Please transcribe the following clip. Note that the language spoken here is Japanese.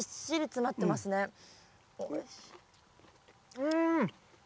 うん！